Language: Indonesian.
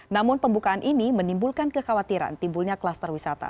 namun pembukaan ini menimbulkan kekhawatiran timbulnya kluster wisata